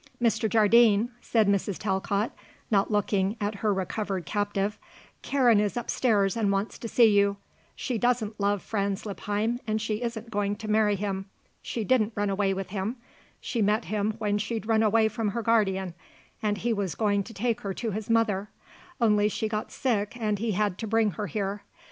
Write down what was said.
"Mr. Jardine," said Mrs. Talcott, not looking at her recovered captive, "Karen is upstairs and wants to see you. She doesn't love Franz Lippheim and she isn't going to marry him. She didn't run away with him; she met him when she'd run away from her guardian and he was going to take her to his mother, only she got sick and he had to bring her here.